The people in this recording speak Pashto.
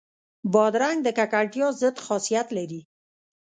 بادرنګ د ککړتیا ضد خاصیت لري.